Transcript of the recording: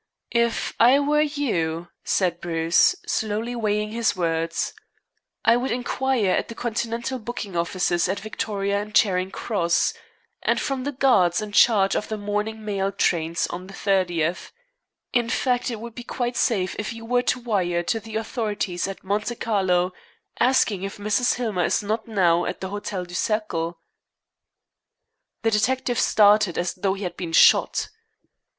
"If I were you," said Bruce, slowly weighing his words, "I would inquire at the Continental booking offices at Victoria and Charing Cross, and from the guards in charge of the morning mail trains on the 30th. In fact, it would be quite safe if you were to wire the authorities at Monte Carlo, asking if Mrs. Hillmer is not now at the Hotel du Cercle." The detective started as though he had been shot.